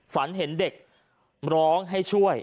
ฝันเห็นเด็กร้องให้ช่วย